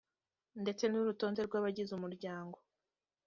ndetse n urutonde rw abagize umuryango